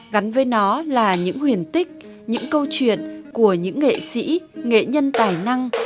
gắn với nó là những huyền tích những câu chuyện của những nghệ sĩ nghệ nhân tài năng